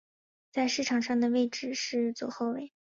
在场上的位置是左后卫。